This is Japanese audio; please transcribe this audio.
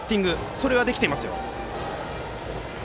それができていますよ。